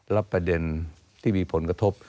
และประเด็นที่มีผลกระทบ